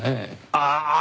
ああ！